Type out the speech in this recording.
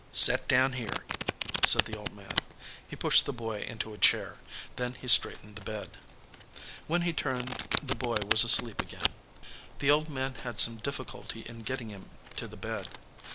"Set down here," said the old man. He pushed "5 EDGEWATER PEOPLE the boy into a chair, then he straightened the bed. When he turned the boy was asleep again. The old man had some difficulty in getting him to the bed.